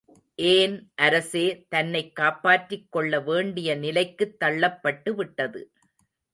ஏன் அரசே தன்னைக் காப்பாற்றிக் கொள்ள வேண்டிய நிலைக்குத் தள்ளப்பட்டுவிட்டது.